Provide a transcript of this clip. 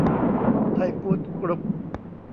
ไทยฟู้ดส์ กรุ๊ป